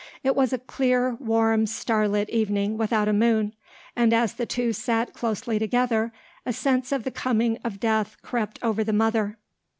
It was a clear, warm, starlit evening without a moon, and as the two sat closely together a sense of the coming of death crept over the mother.